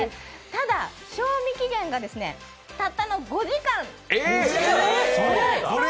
ただ賞味期限がたったの５時間。